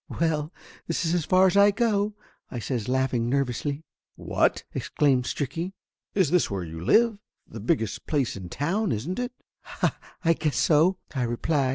"Well, this is as far as I go!" I says, laughing nervously. Laughter Limited 33 "What!" exclaimed Stricky. "Is this where you live? The biggest place in town, isn't it?" "I guess so," I replied.